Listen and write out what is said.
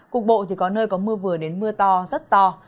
cục bộ thì có nơi có mưa vừa đến mưa to rất to